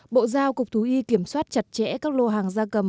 bộ giao cục thú y kiểm soát chặt chẽ các lô hàng da cầm